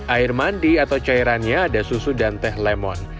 air mandi atau cairannya ada susu dan teh lemon